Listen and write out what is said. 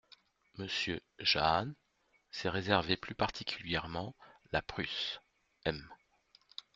Monsieur Jahn s'est réservé plus particulièrement la Prusse, M.